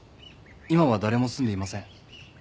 今は誰も住んでいません。